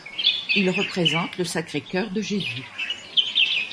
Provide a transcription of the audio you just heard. Il représente le Sacré-Cœur de Jésus.